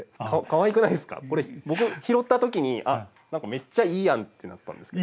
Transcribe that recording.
これ僕拾った時にあっ何かめっちゃいいやんってなったんですけど。